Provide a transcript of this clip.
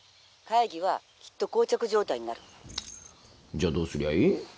じゃあどうすりゃいい？